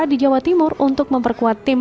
di jawa timur untuk memperkuat tim